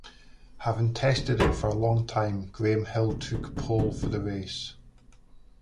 Having tested it for a long time, Graham Hill took pole for the race.